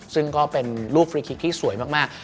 ซึ่งก็เป็นรูปฟรีคลิกที่สวยมาก